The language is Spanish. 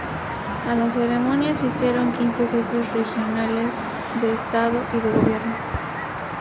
A la ceremonia asistieron quince jefes regionales de estado y de gobierno.